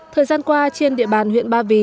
thời gian qua trên địa bàn huyện ba vì